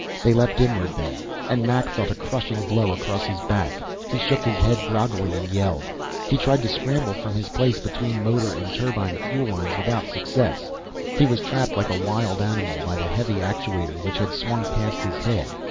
They leaped inward, then, and Mac felt a crushing blow across his back. He shook his head groggily and yelled. He tried to scramble from his place between motor and turbine fuel lines without success; he was trapped like a wild animal by the heavy actuator which had swung past his head.